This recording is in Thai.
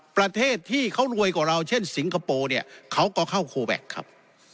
ประเทศที่เขารวยกว่าเราเช่นสิงคโปร์เนี่ยเขาก็เข้าโคแวคครับ